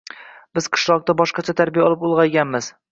Biz qishloqda boshqacha tarbiya olib ulg`ayganmiz